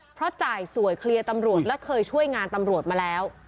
เพราะจ่ายสวยเคลียร์ตำรวจและเคยช่วยงานตำรวจมาแล้ว